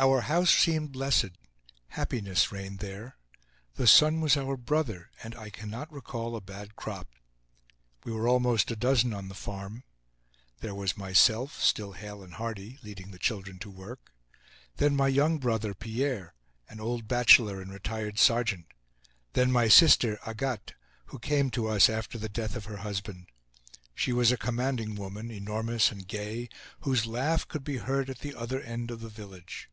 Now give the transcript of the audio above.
Our house seemed blessed, happiness reigned there. The sun was our brother, and I cannot recall a bad crop. We were almost a dozen on the farm. There was myself, still hale and hearty, leading the children to work; then my young brother, Pierre, an old bachelor and retired sergeant; then my sister, Agathe, who came to us after the death of her husband. She was a commanding woman, enormous and gay, whose laugh could be heard at the other end of the village.